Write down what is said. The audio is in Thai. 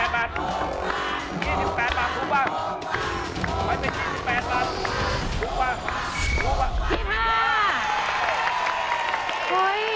๒๘บาท